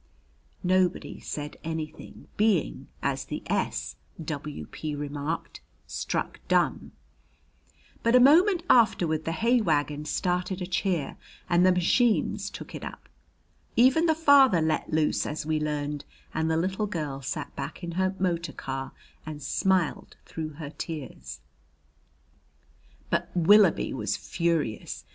Nobody said anything, being, as the S. W.P. remarked, struck dumb. But a moment afterward the hay wagon started a cheer and the machines took it up. Even the father "let loose," as we learned, and the little girl sat back in her motor car and smiled through her tears. But Willoughby was furious.